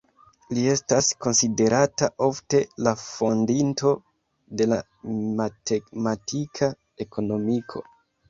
Li estas konsiderata ofte la fondinto de la matematika ekonomiko.